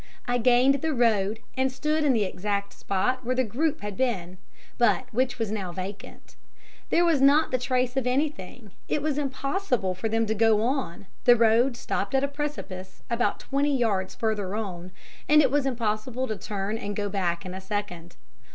I gained the road, and stood in the exact spot where the group had been, but which was now vacant, there was not the trace of anything; it was impossible for them to go on, the road stopped at a precipice about twenty yards further on, and it was impossible to turn and go back in a second.